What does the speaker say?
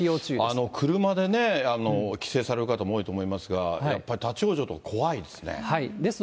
車でね、帰省される方も多いと思いますが、やっぱり立往生とか怖いですね。